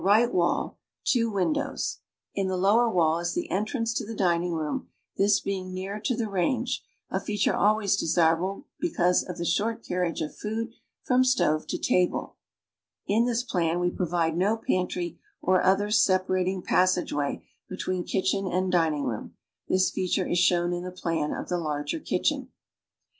(Lcft liiiriil arul uppiT ualls as tlu'j' appear on Plan B, hclow) and in the right hand wall, two wind wall is the entrance to the dining room, this being near to the range, a feature alwaj's desirable because of the short carriage of food from stove to tabic. (In this plan we provide no pantry or other separat ing passageway between kitchen and dining " room. This feature is shown in the plan of the larger kitchen.)